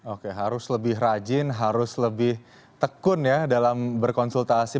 oke harus lebih rajin harus lebih tekun ya dalam berkonsultasi